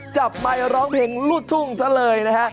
จับไม้ร้องเพลงรุดทุ่งซะเลยนะฮะ